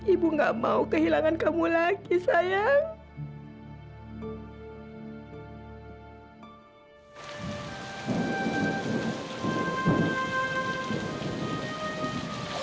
ibu gak mau kehilangan kamu lagi sayang